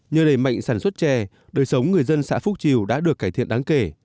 nhờ đầy mạnh sản xuất trè đời sống người dân xã phúc triều đã được cải thiện đáng kể